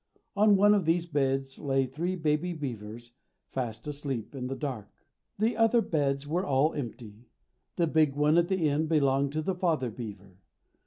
On one of these beds lay three baby beavers fast asleep in the dark. The other beds were all empty. The big one at the end belonged to the father beaver.